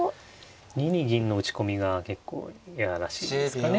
２二銀の打ち込みが結構嫌らしいですかね。